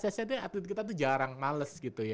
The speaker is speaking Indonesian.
esnya atlet kita tuh jarang males gitu ya